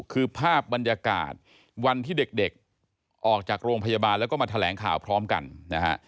คือภาพบรรยากาศวันที่เด็กออกจากโรงพยาบาลแล้วก็มาแถลงข่าวพร้อมกันนะฮะ